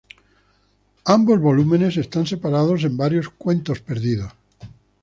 Ambos volúmenes están separados en varios "Cuentos perdidos".